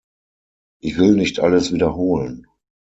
Ich will nicht alles wiederholen.